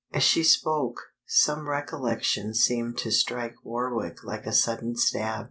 As she spoke, some recollection seemed to strike Warwick like a sudden stab.